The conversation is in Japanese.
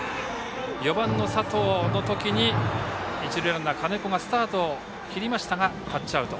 ４番の佐藤の時に一塁ランナーの金子がスタートを切りましたがタッチアウト。